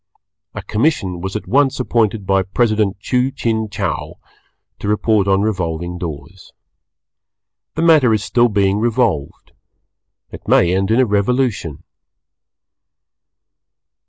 A commission was at once appointed by President Chu Chin Chow to report on Revolving Doors. The matter is still being revolved. It may end in a Revolution.